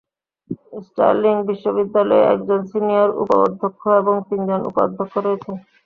Sterling বিশ্ববিদ্যালয়ে একজন senior উপ-অধ্যক্ষ এবং তিনজন উপ-অধ্যক্ষ রয়েছেন।